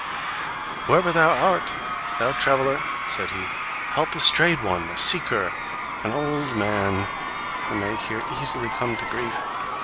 "Whoever thou art, thou traveller," said he, "help a strayed one, a seeker, an old man, who may here easily come to grief!